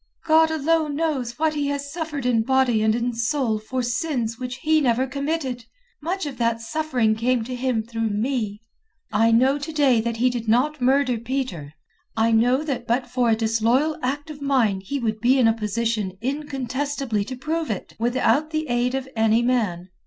"God alone knows what he has suffered in body and in soul for sins which he never committed. Much of that suffering came to him through me. I know to day that he did not murder Peter. I know that but for a disloyal act of mine he would be in a position incontestably to prove it without the aid of any man.